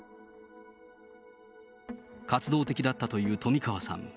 活動的だったという冨川さん。